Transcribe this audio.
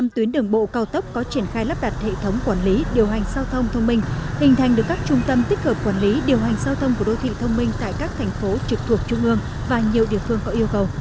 một trăm linh tuyến đường bộ cao tốc có triển khai lắp đặt hệ thống quản lý điều hành giao thông thông minh hình thành được các trung tâm tích hợp quản lý điều hành giao thông của đô thị thông minh tại các thành phố trực thuộc trung ương và nhiều địa phương có yêu cầu